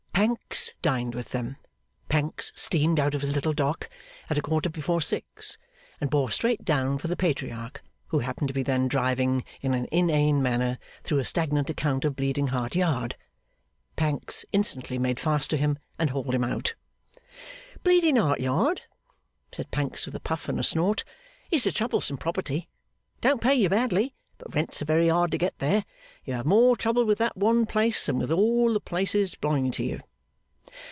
Pancks dined with them. Pancks steamed out of his little dock at a quarter before six, and bore straight down for the Patriarch, who happened to be then driving, in an inane manner, through a stagnant account of Bleeding Heart Yard. Pancks instantly made fast to him and hauled him out. 'Bleeding Heart Yard?' said Pancks, with a puff and a snort. 'It's a troublesome property. Don't pay you badly, but rents are very hard to get there. You have more trouble with that one place than with all the places belonging to you.